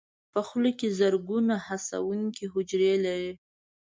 په خوله کې زرګونه حسونکي حجرې لري.